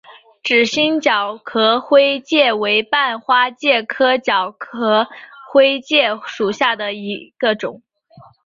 指形角壳灰介为半花介科角壳灰介属下的一个种。